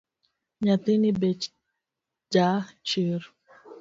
Nyathini be ja chir